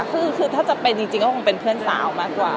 คือถ้าจะเป็นจริงก็คงเป็นเพื่อนสาวมากกว่า